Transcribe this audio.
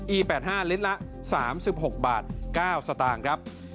อี๘๕ลิตละ๓๖๙สตางค์ครับ